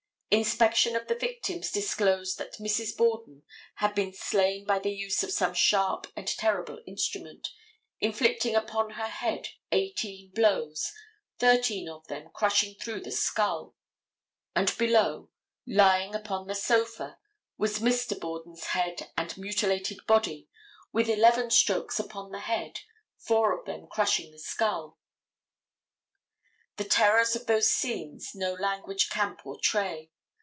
Inspection of the victims disclosed that Mrs. Borden had been slain by the use of some sharp and terrible instrument, inflicting upon her head eighteen blows, thirteen of them crushing through the skull; and below, lying upon the sofa, was Mr. Borden's dead and mutilated body, with eleven strokes upon the head, four of them crushing the skull. The terrors of those scenes no language can portray.